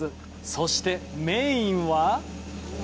そして、メインは。